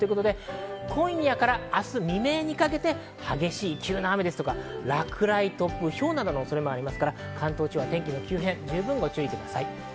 今夜から明日未明にかけて激しい急な雨、落雷、突風、ひょうなどの恐れもありますから天気の急変、十分ご注意ください。